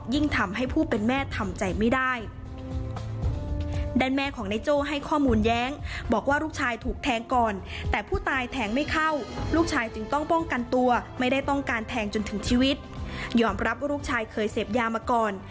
ยอมรับว่าหลูกชายเขาเสพยามาก่อน